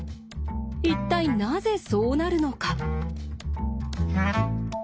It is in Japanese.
一体なぜそうなるのか。